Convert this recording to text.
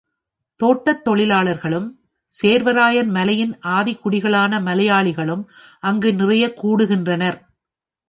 தோட்டத் தொழிலாளர்களும், சேர்வராயன் மலையின் ஆதிக்குடிகளான மலையாளிகளும் அங்கு நிறையக் கூடுகின்றனர்.